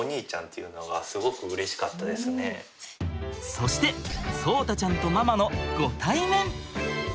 そして聡太ちゃんとママのご対面。